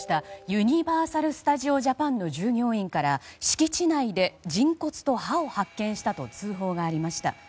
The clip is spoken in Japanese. ユニバーサル・スタジオ・ジャパンの従業員から敷地内で人骨と歯を発見したと通報がありました。